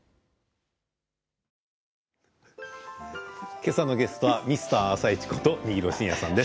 今朝のゲストはミスター「あさイチ」こと新納慎也さんです。